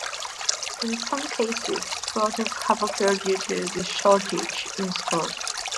In some cases, protests have occurred due to the shortages in stores.